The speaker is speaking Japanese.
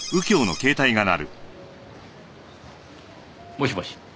もしもし。